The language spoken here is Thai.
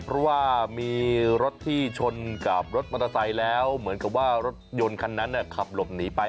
เพราะว่ามีรถที่ชนกับรถมอเตอร์ไซค์แล้วเหมือนกับว่ารถยนต์คันนั้นขับหลบหนีไป